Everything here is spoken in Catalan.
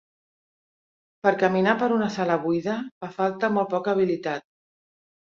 Per caminar per una sala buida fa falta molt poca habilitat.